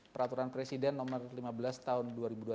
peraturan presiden nomor lima belas tahun dua ribu dua puluh